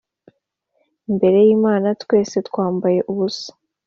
Imbere y'Imana, twese twambaye ubusa: